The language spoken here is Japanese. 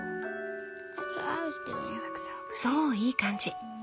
そういい感じ。